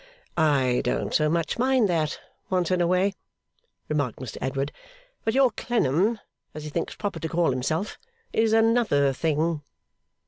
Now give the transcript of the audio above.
'I don't so much mind that, once in a way,' remarked Mr Edward; 'but your Clennam, as he thinks proper to call himself, is another thing.